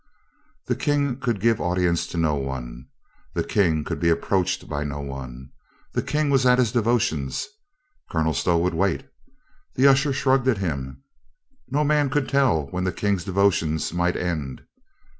The King could give audience to no one. The King could be approached by no one. The King was at his devotions. Colonel Stow would wait. The usher shrugged at him. No man could tell when the King's devotions might end.